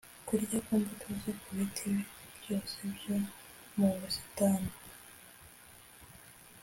kurya ku mbuto zo ku biti byose byo mu busitani.